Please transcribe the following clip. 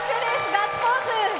ガッツポーズ！